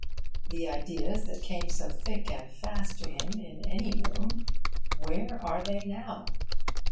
The ideas that came so thick and fast to him in any room, where are they now?